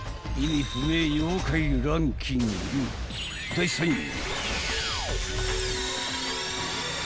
［第３位］